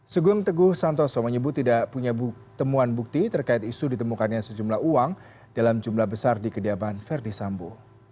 sugeng teguh santoso menyebut tidak punya temuan bukti terkait isu ditemukannya sejumlah uang dalam jumlah besar di kediaman verdi sambo